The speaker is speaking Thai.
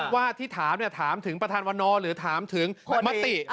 ว่าที่ถามถามถึงประธานวันนอร์หรือถามถึงมติ